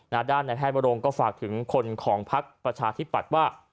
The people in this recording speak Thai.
ด้านในแพทย์มโรงก็ฝากถึงคนของพักประชาธิปัตย์ว่า